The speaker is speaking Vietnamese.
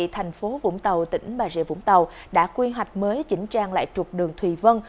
thành phố vũng tàu tỉnh bà rịa vũng tàu đã quy hoạch mới chỉnh trang lại trục đường thùy vân